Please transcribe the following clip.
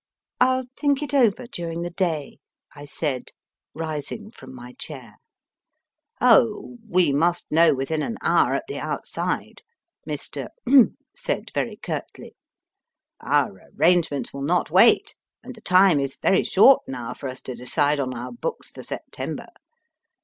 I ll think it over during the day, I said, rising from my chair. Oh, we must know within an hour, at the outside/ Mr. said very curtly. * Our arrangements will not wait, and the time is very short now for us to decide on our books for September.